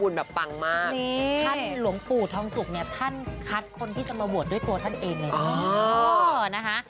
ท่านหลวงปู่ทองสุกเนี่ยท่านคัดคนที่จะมาบวชด้วยตัวท่านเองเลยนะ